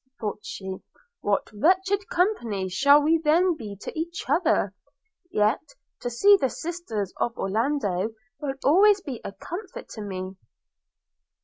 thought she, 'what wretched company shall we then be to each other! yet to see the sisters of Orlando will always be a comfort to me.'